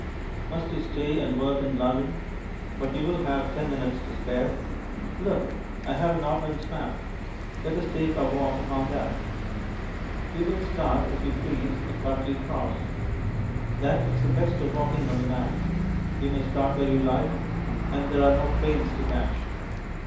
Must you stay and work in London? But you will have ten minutes to spare. Look, I have an ordnance map let us take our walk upon that. We will start, if you please, at Buckley Cross. That is the best of walking on the map; you may start where you like, and there are no trains to catch.